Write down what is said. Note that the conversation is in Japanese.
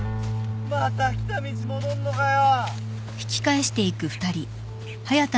また来た道戻んのかよ！？